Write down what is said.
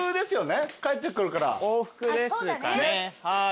往復ですかね。